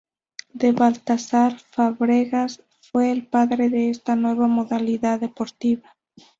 D. Baltasar Fábregas, fue el padre de esta nueva modalidad deportiva.